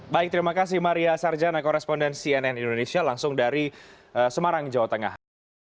baik terima kasih maria sarjana koresponden cnn indonesia langsung dari semarang jawa tengah